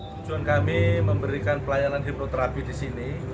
tujuan kami memberikan pelayanan hipnoterapi di sini